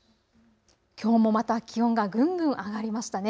きょうもまた気温がぐんぐん上がりましたね。